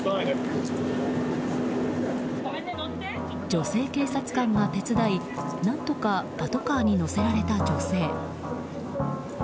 女性警察官が手伝い、何とかパトカーに乗せられた女性。